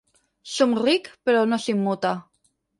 Somric però no s'immuta.